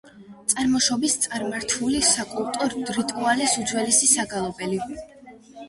წარმოშობით წარმართული საკულტო რიტუალის უძველესი საგალობელი.